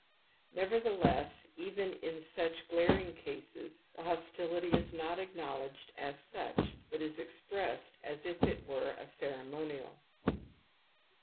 Nevertheless, even in such glaring cases the hostility is not acknow ledged as such, but is expressed as if it were a ceremonial.